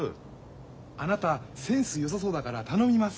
あなたセンスよさそうだから頼みます。